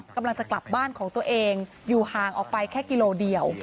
กำลังจะกลับบ้านของตัวเองอยู่ห่างออกไปแค่กิโลเดียว